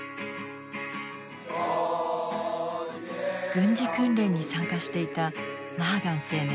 軍事訓練に参加していたマーガン青年。